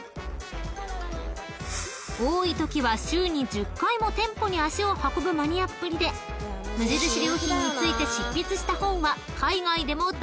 ［多いときは週に１０回も店舗に足を運ぶマニアっぷりで無印良品について執筆した］